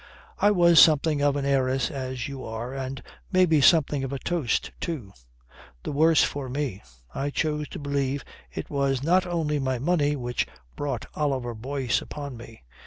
"I was something of an heiress as you are and maybe something of a toast too. The worse for me. I choose to believe it was not only my money which brought Oliver Boyce upon me.